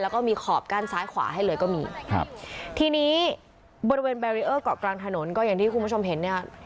แล้วก็มีขอบกั้นซ้ายขวาให้เลยก็มีครับทีนี้บริเวณแบรีเออร์เกาะกลางถนนก็อย่างที่คุณผู้ชมเห็นเนี่ย